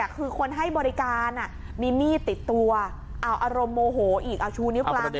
คือคนให้บริการมีมีดติดตัวเอาอารมณ์โมโหอีกเอาชูนิ้วกลาง